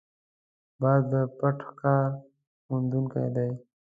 باز د پټ ښکار موندونکی دی